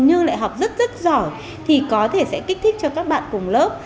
nhưng lại học rất rất giỏi thì có thể sẽ kích thích cho các bạn cùng lớp